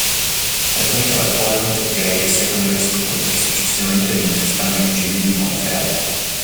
Frequenta la Point Grey Secondary School e successivamente l'Università McGill di Montréal.